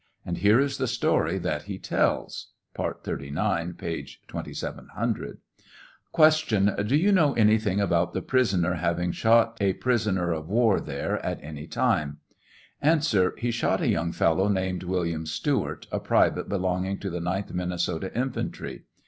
And here is the story that he tells, (part 39, p. 2700 :) Q. Do you know anything about the prisoner having shot a prisoner of war there at any time' A. He shot a young fellow named William Stewart, a private belonging to the 9th Min nesota infantry.